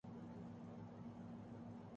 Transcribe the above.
افرادی قوت بھی مل جائے گی خدائے تعالیٰ کا گھر